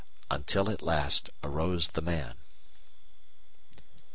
"Until at last arose the Man."